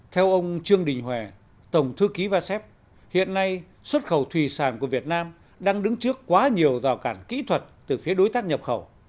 theo ông trương đình huệ tổng thư ký vasep hiện nay xuất khẩu thủy sản của việt nam đang đứng trước quá nhiều rào cản kỹ thuật từ phía đối tác nhập khẩu